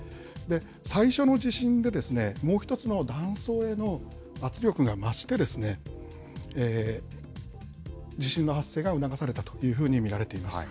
最初の地震でですね、もう１つの断層への圧力が増して、地震の発生が促されたというふうに見られています。